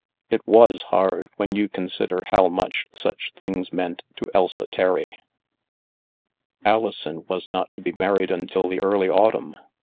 It was hard when you consider how much such things meant to Elsa Terry. Alison was not to be married until the early autumn.